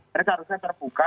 mereka harusnya terbuka